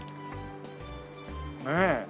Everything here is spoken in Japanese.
ねえ。